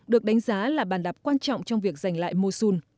được đánh giá là bàn đạp quan trọng trong việc giành lại mosun